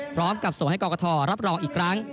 พร้อมกับส่งให้กรกฐรับรองอีกครั้ง